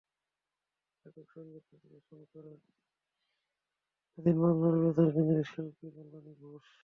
একক সংগীত পরিবেশন করেন স্বাধীন বাংলা বেতার কেন্দ্রের শিল্পী কল্যাণী ঘোষ।